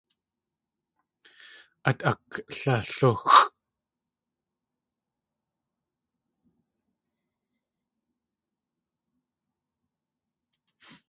Át Aklalúxʼ!